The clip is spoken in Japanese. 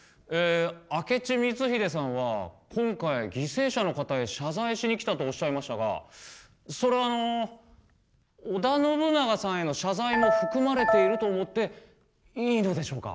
明智光秀さんは今回犠牲者の方へ謝罪しに来たとおっしゃいましたがそれはあの織田信長さんへの謝罪も含まれていると思っていいのでしょうか？